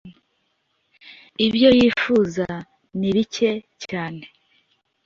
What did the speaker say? ibyo yifuza ni bike cyane,